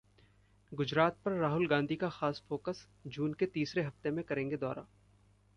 गुजरात पर राहुल गांधी का खास फोकस, जून के तीसरे हफ्ते में करेंगे दौरा